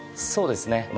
そうですね。